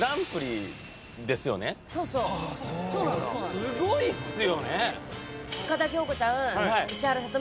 すごいっすよね。